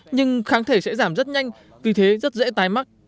nhưng kháng thể sẽ giảm rất nhanh vì thế rất dễ tái mắc